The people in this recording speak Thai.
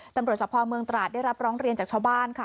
สะพอเมืองตราดได้รับร้องเรียนจากชาวบ้านค่ะ